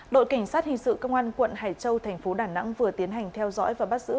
đội cảnh sát hình sự công an quận hải châu thành phố đà nẵng vừa tiến hành theo dõi và bắt giữ